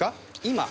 今。